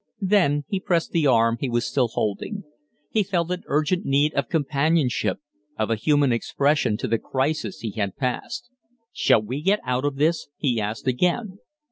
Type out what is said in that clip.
Then he pressed the arm he was still holding. He felt an urgent need of companionship of a human expression to the crisis he had passed. "Shall we get out of this?" he asked again.